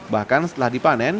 bahkan setelah dipanen